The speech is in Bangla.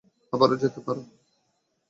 আবারো যেতে পারো।